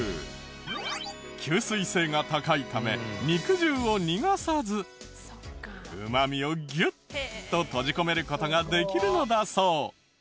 吸水性が高いため肉汁を逃がさずうまみをギュッと閉じ込める事ができるのだそう。